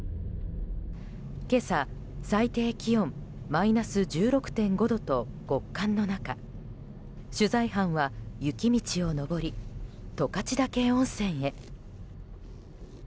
今朝、最低気温マイナス１６．５度と極寒の中取材班は雪道を上り十勝岳温泉へ。